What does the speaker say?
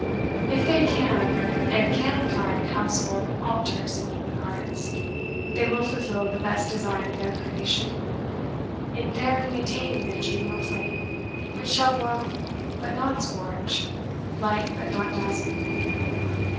If they CAN, and can find household altars in human hearts, they will fulfil the best design of their creation, in therein maintaining a genial flame, which shall warm but not scorch, light but not dazzle.